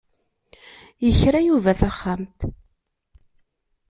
Yekra Yuba taxxamt.